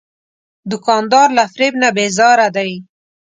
دوکاندار له فریب نه بیزاره دی.